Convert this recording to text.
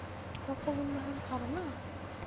Йоҡо бүлмәһен ҡаранығыҙ!